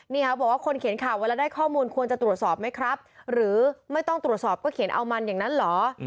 บอกว่าคนเขียนข่าวเวลาได้ข้อมูลควรจะตรวจสอบไหมครับหรือไม่ต้องตรวจสอบก็เขียนเอามันอย่างนั้นเหรอ